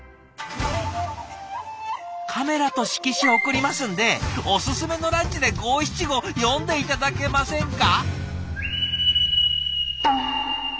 「カメラと色紙送りますんでおすすめのランチで五七五詠んで頂けませんか？」。